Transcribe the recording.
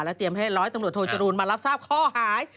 เตรียมให้ร้อยตำรวจโทจรูนมารับทราบข้อหา